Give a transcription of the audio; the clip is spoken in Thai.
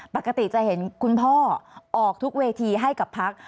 ปกติจะเห็นคุณพ่อออกทุกเวทีให้กับพัก